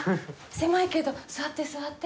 狭いけど座って座って。